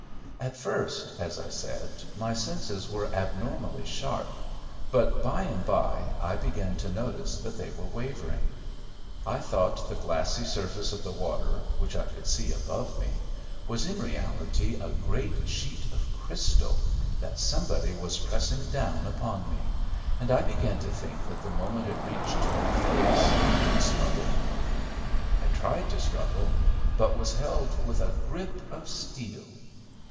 At first, as I said, my senses were abnormally sharp, but, by and by, I began to notice that they were wavering. I thought the glassy surface of the water, which I could see above me, was in reality a great sheet of crystal that somebody was pressing down upon me, and I began to think that the moment it reached my face I would smother. I tried to struggle, but was held with a grip of steel.